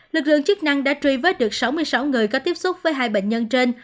lực lượng chức năng đã truy vết được sáu mươi sáu người có tiếp xúc với hai bệnh nhân trên